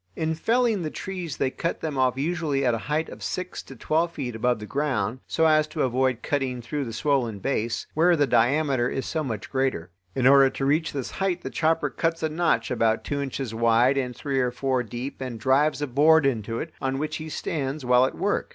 In felling the trees they cut them off usually at a height of six to twelve feet above the ground, so as to avoid cutting through the swollen base, where the diameter is so much greater. In order to reach this height the chopper cuts a notch about two inches wide and three or four deep and drives a board into it, on which he stands while at work.